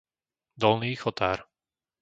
Dolný Chotár